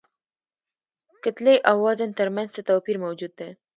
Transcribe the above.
کتلې او وزن تر منځ څه توپیر موجود دی؟